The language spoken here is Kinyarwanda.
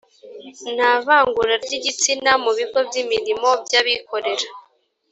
nta vangura ry’igitsina mu bigo by’imirimo by’abikorera